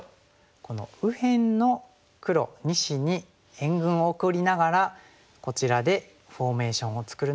この右辺の黒２子に援軍を送りながらこちらでフォーメーションを作るのが正解でした。